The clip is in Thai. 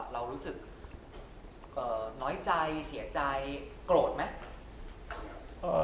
รู้สึกน้อยใจเสียใจโกรธไหม